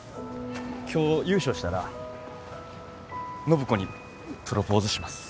今日優勝したら暢子にプロポーズします。